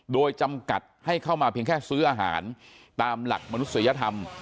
โดยจำกัดให้เข้ามาเพียงแค่ซื้ออาหารตามหลักมนุษยธรรม